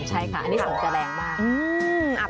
ใช่ค่ะอันนี้ส่งจะแรงมาก